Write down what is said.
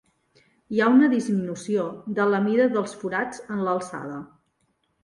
Hi ha una disminució de la mida dels forats en l'alçada.